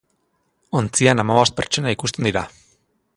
Ontzian hamabost pertsona ikusten dira.